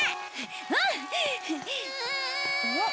うん！